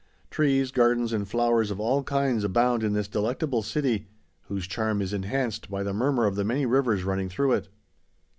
Trees, gardens, and flowers of all kinds abound in this delectable city, whose charm is enhanced by the murmur of the many rivers running through it.